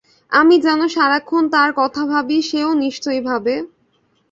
আমি যেমন সারাক্ষণ তার কথা ভাবি, সেও নিশ্চয়ই ভাবে।